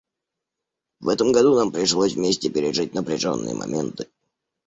В этом году нам пришлось вместе пережить напряженные моменты.